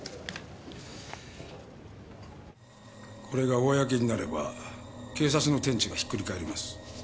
これが公になれば警察の天地がひっくり返ります。